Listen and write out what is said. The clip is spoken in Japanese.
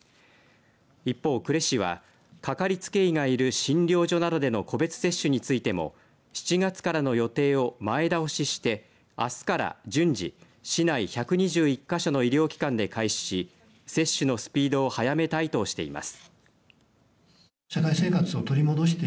一方、呉市はかかりつけ医がいる診療所などでの個別接種についても７月からの予定を前倒ししてあすから順次市内１２１か所の医療機関で開始し接種のスピードを早めたいとしています。